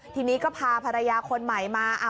ทีนี้ก็พาภรรยาคนใหม่มา